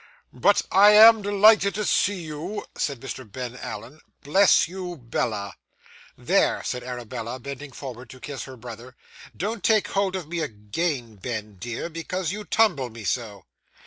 'But I am delighted to see you,' said Mr. Ben Allen. 'Bless you, Bella!' 'There,' said Arabella, bending forward to kiss her brother; 'don't take hold of me again, Ben, dear, because you tumble me so.